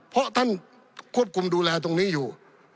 เพราะท่านควบคุมดูแลตรงนี้อยู่